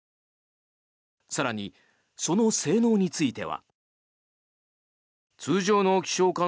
更に、その性能については。